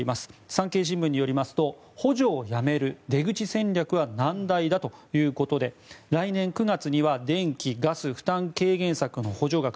産経新聞によりますと補助をやめる出口戦略は難題だということで来年９月には電気・ガス負担軽減策の補助額